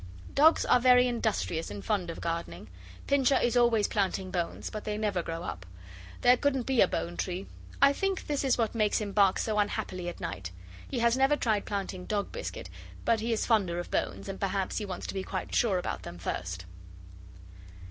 Dogs are very industrious and fond of gardening. Pincher is always planting bones, but they never grow up. There couldn't be a bone tree. I think this is what makes him bark so unhappily at night. He has never tried planting dog biscuit, but he is fonder of bones, and perhaps he wants to be quite sure about them first.